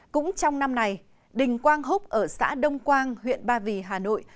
cũng trong năm này đình quang húc ở xã đông quang huyện ba vì hà nội